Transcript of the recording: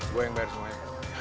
gua yang bayar semuanya